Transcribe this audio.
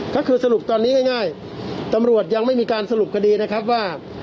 ก็คือสรุปตอนนี้ง่ายตำรวจยังไม่มีการสรุปคดีนะครับว่า